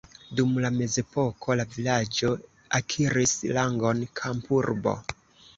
Dum la mezepoko la vilaĝo akiris rangon kampurbo.